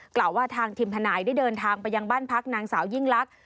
กล่าวว่าทางทีมทนายได้เดินทางไปยังบ้านพักนางสาวยิ่งลักษณ